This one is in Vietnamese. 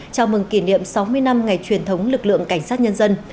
chào mừng kỷ niệm sáu mươi năm ngày truyền thống lực lượng cảnh sát nhân dân